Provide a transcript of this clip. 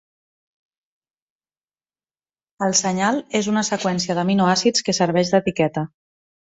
El senyal és una seqüència d'aminoàcids que serveix d'etiqueta.